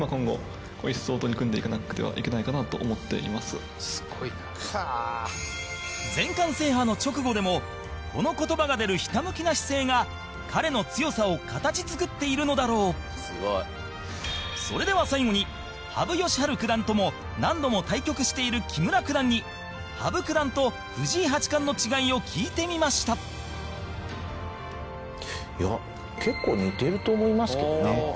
その姿勢は八冠を達成したあとの会見でも全冠制覇の直後でもこの言葉が出るひたむきな姿勢が彼の強さを形作っているのだろうそれでは、最後に羽生善治九段とも何度も対局している木村九段に羽生九段と藤井八冠の違いを聞いてみました結構似てると思いますけどね。